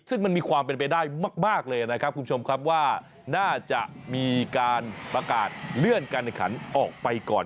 ซึ่งมันมีความเป็นไปได้มากเลยนะครับคุณผู้ชมครับว่าน่าจะมีการประกาศเลื่อนการแข่งขันออกไปก่อน